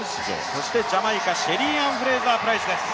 そしてジャマイカ、シェリーアン・フレイザープライスです。